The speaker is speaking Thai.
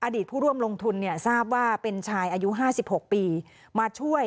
ผู้ร่วมลงทุนเนี่ยทราบว่าเป็นชายอายุ๕๖ปีมาช่วย